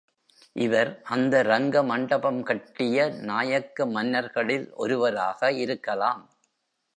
இவர் அந்த ரங்கமண்டபம் கட்டிய நாயக்க மன்னர்களில் ஒருவராக இருக்கலாம்.